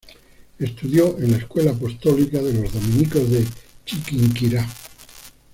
Estudió en la Escuela Apostólica de los dominicos de Chiquinquirá.